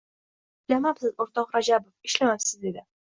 — Ishlamabsiz, o‘rtoq Rajabov, ishlamabsiz, —dedi.